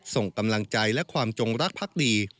ส่งกำลังใจและความจงรักพักดี